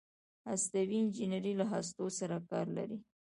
هستوي انجنیری له هستو سره کار لري.